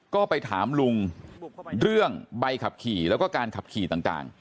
ก็ไปถามลุงเรื่องใบขับขี่แล้วก็การขับขี่ต่าง